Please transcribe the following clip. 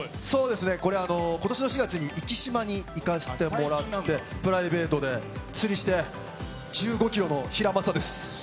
これ、ことしの４月にいき島に行かせてもらって、プライベートで釣りして、１５キロのヒラマサです。